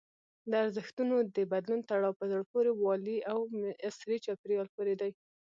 د ارزښتونو د بدلون تړاو په زړه پورې والي او عصري چاپېریال پورې دی.